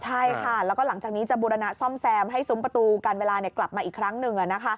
ใช่ค่ะแล้วก็หลังจากนี้จะบูรณะซ่อมแซมให้ซุ้มประตูการเวลากลับมาอีกครั้งหนึ่ง